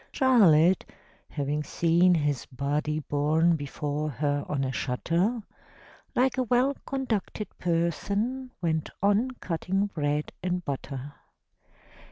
Charlotte, having seen his body Borne before her on a shutter, Like a well conducted person, Went on cutting bread and butter.